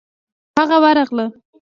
هغه ورغله.